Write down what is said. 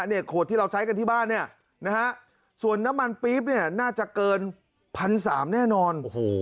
นี่ขวดที่เราใช้กันที่บ้านนะฮะส่วนน้ำมันปรี๊บน่าจะเกิน๑๓๐๐แน่นอน